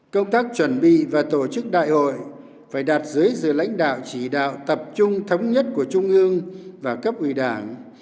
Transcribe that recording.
công tác chuẩn bị và tổ chức đại hội phải đạt dưới sự lãnh đạo chỉ đạo tập trung thống nhất của trung ương và cấp ủy đảng